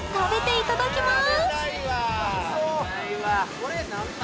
いただきます